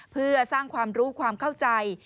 เพื่อสร้างความรู้ความเข้าใจ